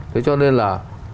thế cho nên là